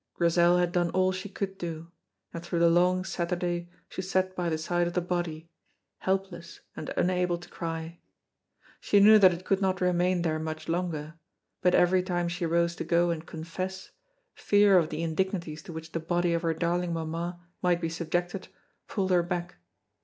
Grizel had done all she could do, and through the long Saturday she sat by the side of the body, helpless and unable to cry. She knew that it could not remain there much longer, but every time she rose to go and confess, fear of the indignities to which the body of her darling mamma might be subjected pulled her back.